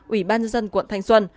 ủy ban dân quận thanh xuân